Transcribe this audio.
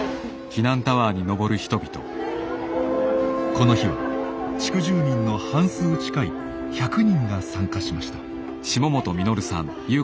この日は地区住民の半数近い１００人が参加しました。